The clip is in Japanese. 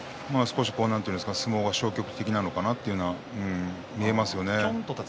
相撲が消極的なのかなと見えますよね。